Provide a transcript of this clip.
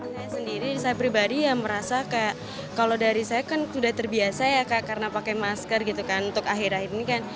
saya sendiri saya pribadi ya merasa kayak kalau dari saya kan sudah terbiasa ya kak karena pakai masker gitu kan untuk akhir akhir ini kan